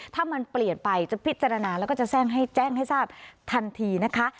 ถ้ามันเปลี่ยนไปจะพิจารณาแล้วก็จะแจ้งให้แจ้งให้ทราบทันทีนะคะ